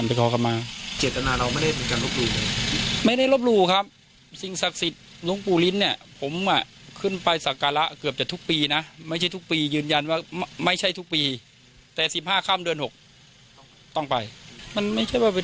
เพราะพระอาทิกายน์บนค์มาท่านเขาอนุญาตให้เราทำเรื่องพวกนี้อยู่แล้ว